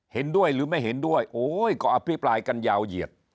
เห็นด้วยหรือไม่เห็นด้วยโอ้ยก็อภิปรายกันยาวเหยียด